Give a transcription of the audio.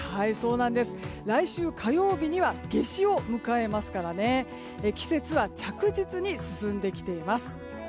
来週火曜日には夏至を迎えますから季節は着実に進んできています。